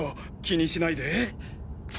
気にしないで。